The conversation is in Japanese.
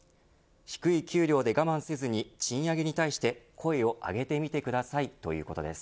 低い給料で我慢せずに賃上げに対して声を上げてみてくださいということです。